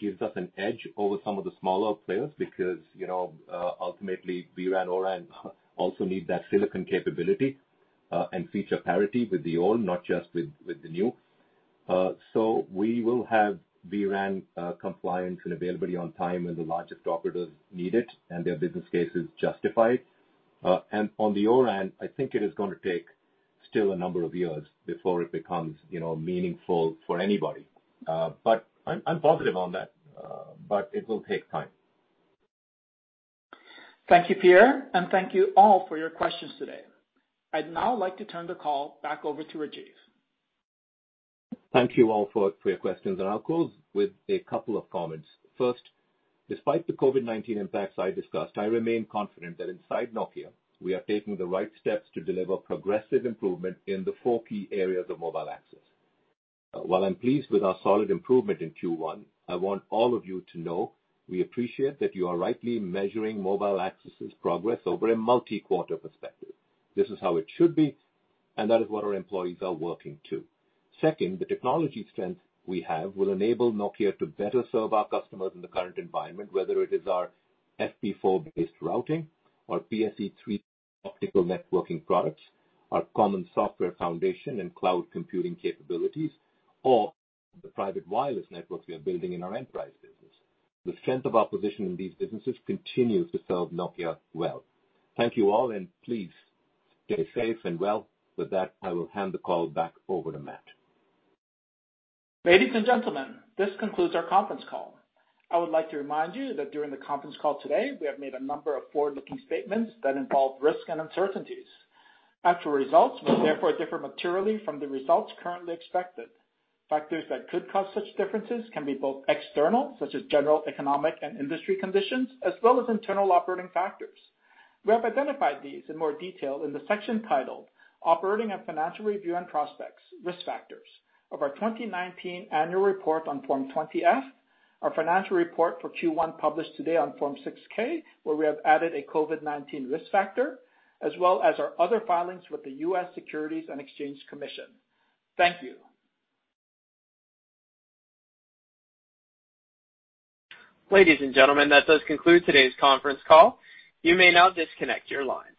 Gives us an edge over some of the smaller players because ultimately, vRAN, O-RAN also need that silicon capability, and feature parity with the old, not just with the new. We will have vRAN compliance and availability on time when the largest operators need it and their business case is justified. On the O-RAN, I think it is going to take still a number of years before it becomes meaningful for anybody. I'm positive on that. It will take time. Thank you, Pierre, and thank you all for your questions today. I'd now like to turn the call back over to Rajeev. Thank you all for your questions, and I'll close with a couple of comments. First. Despite the COVID-19 impacts I discussed, I remain confident that inside Nokia, we are taking the right steps to deliver progressive improvement in the four key areas of Mobile Access. While I'm pleased with our solid improvement in Q1, I want all of you to know we appreciate that you are rightly measuring Mobile Access's progress over a multi-quarter perspective. This is how it should be, and that is what our employees are working to. Second, the technology strength we have will enable Nokia to better serve our customers in the current environment, whether it is our FP4-based routing or PSE-3 optical networking products, our common software foundation and cloud computing capabilities, or the private wireless networks we are building in our Enterprise business. The strength of our position in these businesses continues to serve Nokia well. Thank you all, and please stay safe and well. With that, I will hand the call back over to Matt. Ladies and gentlemen, this concludes our conference call. I would like to remind you that during the conference call today, we have made a number of forward-looking statements that involve risks and uncertainties. Actual results may therefore differ materially from the results currently expected. Factors that could cause such differences can be both external, such as general economic and industry conditions, as well as internal operating factors. We have identified these in more detail in the section titled Operating and Financial Review and Prospects, Risk Factors of our 2019 annual report on Form 20-F, our financial report for Q1, published today on Form 6-K, where we have added a COVID-19 risk factor, as well as our other filings with the U.S. Securities and Exchange Commission. Thank you. Ladies and gentlemen, that does conclude today's conference call. You may now disconnect your lines.